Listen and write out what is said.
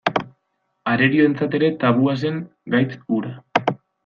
Arerioentzat ere tabua zen gaitz hura.